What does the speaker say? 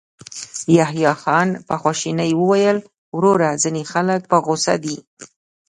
يحيی خان په خواشينۍ وويل: وروره، ځينې خلک په غوسه دي.